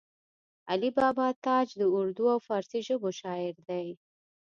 علي بابا تاج د اردو او فارسي ژبو شاعر دی